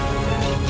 aku mau ke rumah